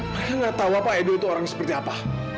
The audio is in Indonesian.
mereka gak tau apa edo itu orang seperti apa